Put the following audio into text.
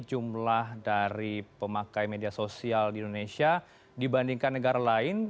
jumlah dari pemakai media sosial di indonesia dibandingkan negara lain